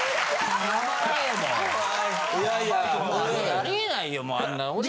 ありえないよあんな。